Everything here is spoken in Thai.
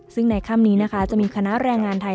ซึ่งในค่ำนี้นะคะจะมีคณะแรงงานไทย